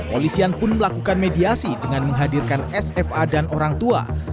polisian pun melakukan mediasi dengan menghadirkan sfa dan orang tua